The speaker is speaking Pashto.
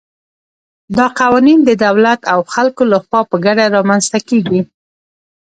دا قوانین د دولت او خلکو له خوا په ګډه رامنځته کېږي.